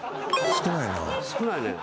少ないね。